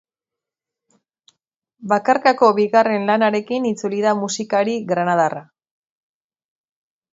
Bakarkako bigarren lanarekin itzuli da musikari granadarra.